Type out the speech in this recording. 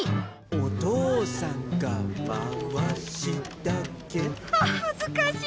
「お父さんがまわしだけ」ははずかしい！